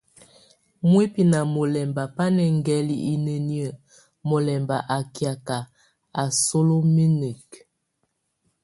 Muíbi na mulɛmba bá nʼ êŋgɛl ineneni mulɛmb á kiak a sólominiek.